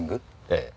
ええ。